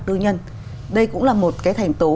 tư nhân đây cũng là một cái thành tố